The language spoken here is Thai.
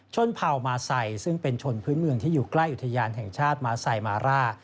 เผ่ามาไซซึ่งเป็นชนพื้นเมืองที่อยู่ใกล้อุทยานแห่งชาติมาไซมาร่า